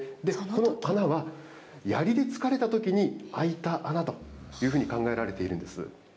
この穴は、やりで突かれたときに開いた穴というふうに考えられているんです。